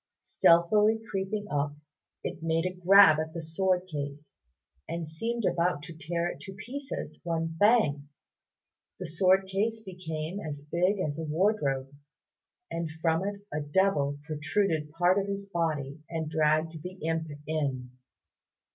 Stealthily creeping up it made a grab at the sword case, and seemed about to tear it in pieces, when bang! the sword case became as big as a wardrobe, and from it a devil protruded part of his body and dragged the imp in.